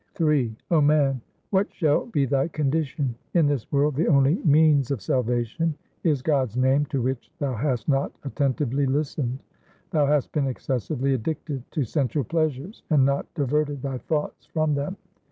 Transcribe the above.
Ill O man, what shall be thy condition ? In this world the only means of salvation is God's name to which thou hast not attentively listened ; thou hast been excessively addicted to sensual pleasures, and not diverted thy thoughts from them.